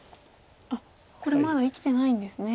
これまだ生きてないんですね。